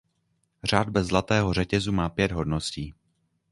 Řád bez zlatého řetězu má pět hodností.